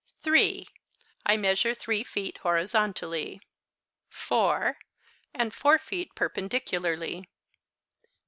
'Three' I measure three feet horizontally. 'Four' and four feet perpendicularly.